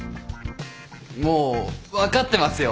もう分かってますよ。